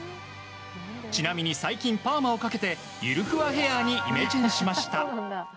ちなみに最近パーマをかけてゆるふわヘアにイメチェンしました。